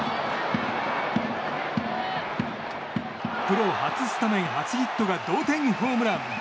プロ初スタメン初ヒットが同点ホームラン。